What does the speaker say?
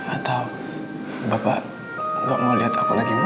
atau bapak gak mau lihat aku lagi bu